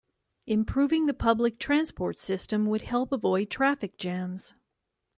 Improving the public transport system would help avoid traffic jams.